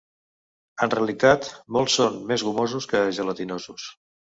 En realitat, molts són més gomosos que gelatinosos.